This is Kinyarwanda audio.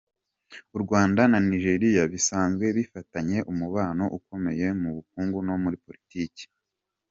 U Rwanda na Nigeria bisanzwe bifitanye umubano ukomeye mu bukungu no muri politiki.